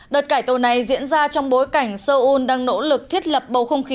đợt cải tổ này diễn ra trong bối cảnh seoul đang nỗ lực thiết lập bầu không khí